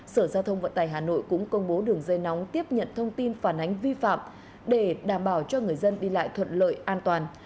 sở giao thông vận tài hà nội cũng công bố đường dây nóng tiếp nhận thông tin phản ánh vi phạm để đảm bảo cho người dân đi lại thuận lợi an toàn